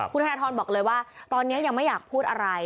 คุณธนทรบอกเลยว่าตอนนี้ยังไม่อยากพูดอะไร